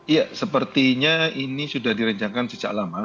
ya sepertinya ini sudah direncangkan sejak lama